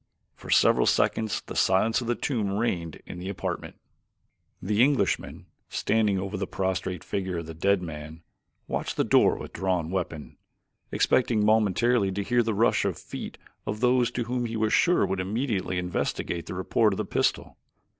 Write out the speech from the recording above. For several seconds the silence of the tomb reigned in the apartment. The Englishman, standing over the prostrate figure of the dead man, watched the door with drawn weapon, expecting momentarily to hear the rush of feet of those whom he was sure would immediately investigate the report of the pistol.